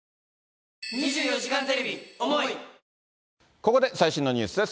ここで最新のニュースです。